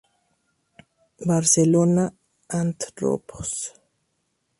Barcelona: Anthropos.